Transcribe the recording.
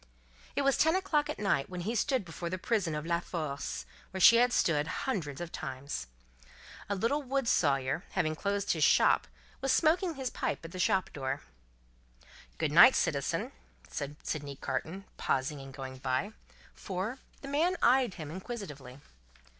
It was ten o'clock at night when he stood before the prison of La Force, where she had stood hundreds of times. A little wood sawyer, having closed his shop, was smoking his pipe at his shop door. "Good night, citizen," said Sydney Carton, pausing in going by; for, the man eyed him inquisitively.